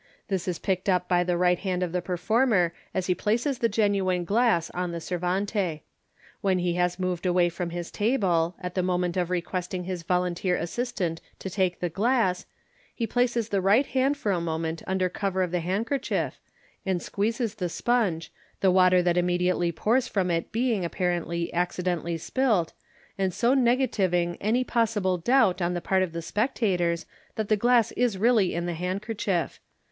This is picked up by the right hand of the performer as he places the genuine glass on the servante. When he has moved away from his table, at the moment of requesting his volunteer assistant to take the glass, he places the right hand for a moment under cover of the handkerchief, and squeezes the sponge the water that immediately pours from it being, apparently, accidentally spilt, and so negativing any possible doubt MODERN MAGIC. yj\ on the part of the spectators that the glass is really in the handker chief.